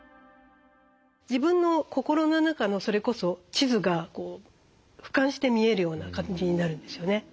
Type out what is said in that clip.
自分の心の中のそれこそ地図がふかんして見えるような感じになるんですよね。